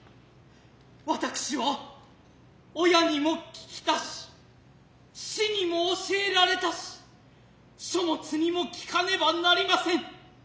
私は親にも聞きたし師にも教へられたし書もつにも聞かねば成りません。